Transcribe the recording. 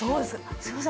すいません。